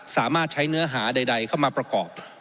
สามารถใช้เนื้อหาใดเข้ามาประกอบ